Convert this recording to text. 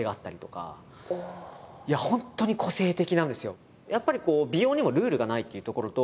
本当に個性的なんですよ。